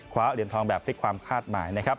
เหรียญทองแบบพลิกความคาดหมายนะครับ